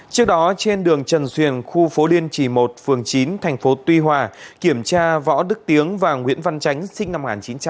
trước đó trên đường trần xuyền khu phố liên trì một phường chín thành phố tuy hòa kiểm tra võ đức tiếng và nguyễn văn tránh sinh năm một nghìn chín trăm tám mươi